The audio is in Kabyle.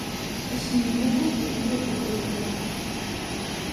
Isem-inu ur d-yeddi deg wumuɣ.